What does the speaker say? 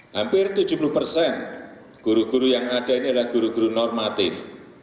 hampir tujuh puluh persen guru guru yang ada ini adalah guru guru normatif